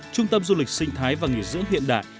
trung tâm du lịch sinh thái và nghỉ dưỡng hiện đại